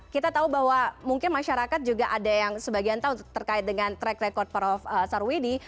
kita tahu bahwa mungkin masyarakat juga ada yang sebagian tahu terkait dengan track record prof sarwidi